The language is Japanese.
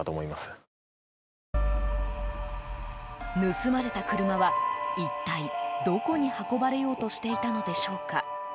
盗まれた車は、一体どこに運ばれようとしていたのでしょうか。